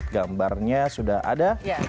gambarnya sudah ada